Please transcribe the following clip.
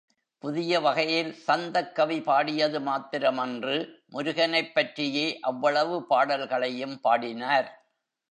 புதிய வகையில் சந்தக் கவி பாடியது மாத்திரமன்று முருகனைப் பற்றியே அவ்வளவு பாடல்களையும் பாடினார்.